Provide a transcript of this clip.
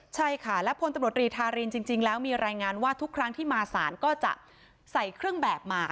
ใช่ค่ะและพลตำรวจรีธารินจริงแล้วมีรายงานว่าทุกครั้งที่มาสารก็จะใส่เครื่องแบบมา